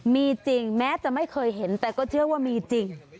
มีจริงแม้จะไม่เคยเห็นแต่ก็เชื่อว่ามีจริง